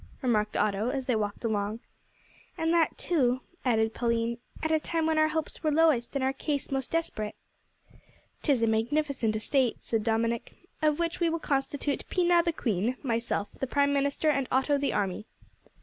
remarked Otto, as they walked along. "And that, too," added Pauline, "at a time when our hopes were lowest and our case most desperate." "'Tis a magnificent estate," said Dominick, "of which we will constitute Pina the Queen, myself the Prime Minister, and Otto the army."